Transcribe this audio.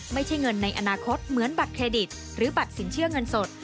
ไม่ใช่เงินในอนาคตเหมือนบัตรเครดิตหรือบัตรสินเชื่อเงินสด